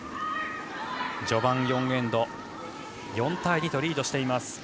序盤４エンド４対２とリードしています。